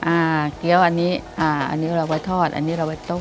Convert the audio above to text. อ่าเกี้ยวอันนี้อันนี้เราไว้ทอดอันนี้เราไว้ต้ม